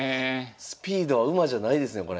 スピードは馬じゃないですねこれ。